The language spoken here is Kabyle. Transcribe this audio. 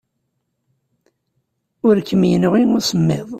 Ur kem-yenɣi usemmiḍ.